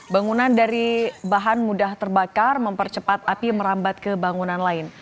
bangunan dari bahan mudah terbakar mempercepat api merambat ke bangunan lain